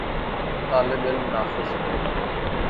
طالب علم ناخوش ہیں۔